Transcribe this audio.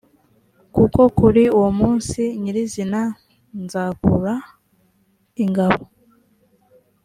kuko kuri uwo munsi nyir izina nzakura ingabo